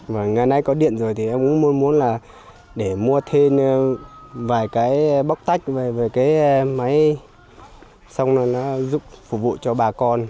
mà ngày nay có điện rồi thì em cũng mong muốn là để mua thêm vài cái bóc tách về cái máy xong rồi nó giúp phục vụ cho bà con